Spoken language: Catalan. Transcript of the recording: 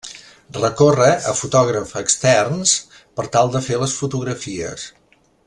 Recorre a fotògrafs externs per tal de fer les fotografies.